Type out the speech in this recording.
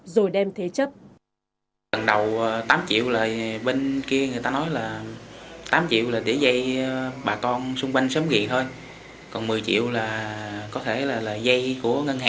rồi đem thế chấp